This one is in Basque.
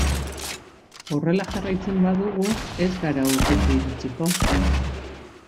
Horrela jarraitzen badugu ez gara urruti iritsiko.